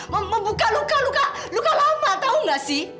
membuka luka luka lama tau gak sih